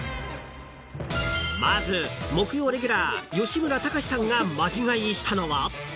［まず木曜レギュラー吉村崇さんがマジ買いしたのは］